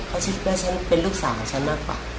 เขาคิดว่าฉันเป็นลูกสาวฉันมากกว่า